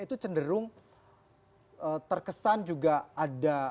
itu cenderung terkesan juga